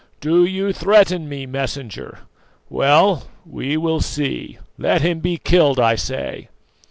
"Do you threaten me, Messenger? Well, we will see. Let him be killed, I say."